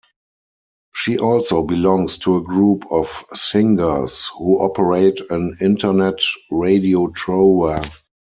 She also belongs to a group of singers who operate an Internet radiotrova.